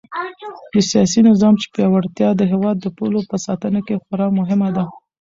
د سیاسي نظام پیاوړتیا د هېواد د پولو په ساتنه کې خورا مهمه ده.